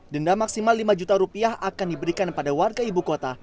denda maksimal lima juta rupiah akan diberikan pada warga ibu kota